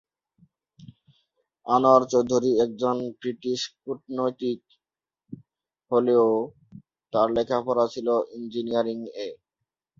আনোয়ার চৌধুরী একজন ব্রিটিশ কূটনীতিক হলেও তার লেখা পড়া ছিল ইঞ্জিনিয়ারিং এ।